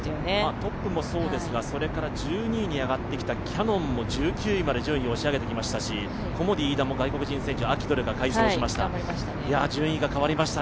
トップもそうですが、１２に上がってきたキヤノンも１９位まで順位を押し上げてきましたし、コモディイイダも外国人選手、アキドルが快走しました。